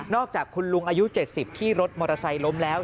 อกจากคุณลุงอายุ๗๐ที่รถมอเตอร์ไซค์ล้มแล้ว